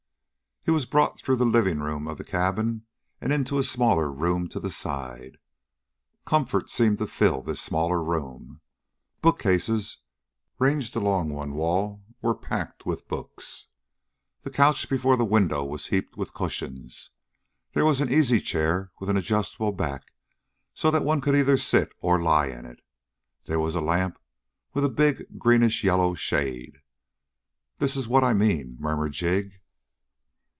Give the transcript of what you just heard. He was brought through the living room of the cabin and into a smaller room to the side. Comfort seemed to fill this smaller room. Bookcases ranged along one wall were packed with books. The couch before the window was heaped with cushions. There was an easy chair with an adjustable back, so that one could either sit or lie in it. There was a lamp with a big greenish yellow shade. "This is what I mean," murmured Jig.